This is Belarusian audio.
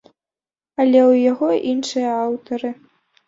Але ў яго іншыя аўтары.